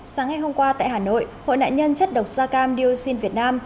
sáng ngày hôm qua tại hà nội hội nạn nhân chất độc da cam dioxin việt nam